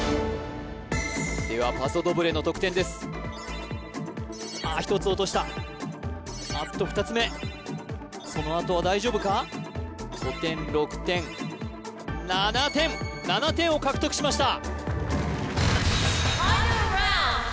ではパソドブレの得点ですああ１つ落としたあっと２つ目そのあとは大丈夫か５点６点７点７点を獲得しました